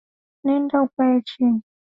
Nenda ukae chini